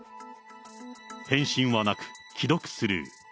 返信はなく、既読スルー。